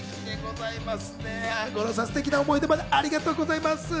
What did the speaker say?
五郎さん、ステキな思い出話、ありがとうございます。